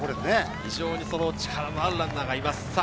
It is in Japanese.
非常に力のあるランナーがいます。